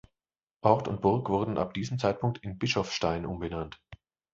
Ort und Burg wurden ab diesem Zeitpunkt in "Bischofstein" umbenannt.